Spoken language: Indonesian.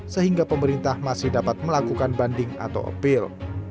sehingga pemerintah masih dapat melakukan banding atau appeal